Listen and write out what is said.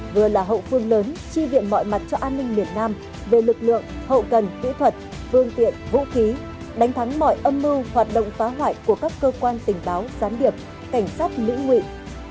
vừa là hậu phương lớn chi viện mọi mặt cho an ninh miền nam về lực lượng hậu cần kỹ thuật phương tiện vũ khí đánh thắng mọi âm mưu hoạt động phá hoại của các cơ quan tình báo gián điệp cảnh sát mỹ nguyện